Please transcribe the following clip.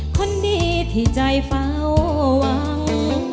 คนดีที่ใจเฝ้าหวัง